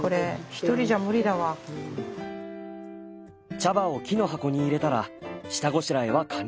茶葉を木の箱に入れたら下ごしらえは完了。